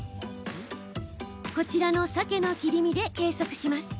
こちらの、サケの切り身で計測します。